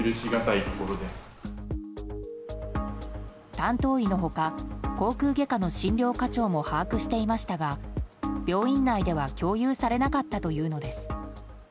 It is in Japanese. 担当医の他、口腔外科の診療課長も把握していましたが病院内では共有されなかったというのです。